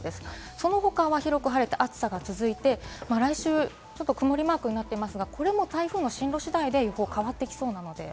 その他は広く晴れて暑さが続いて、来週、曇りマークになっていますが、これも台風の進路次第で予報が変わってきそうです。